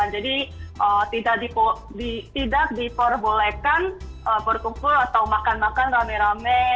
jadi tidak diperbolehkan berkumpul atau makan makan rame rame